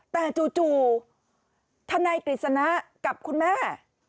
แต่จู่ทนายกฤษณะกับคุณแม่